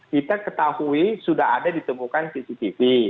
kita ketahui sudah ada ditemukan cctv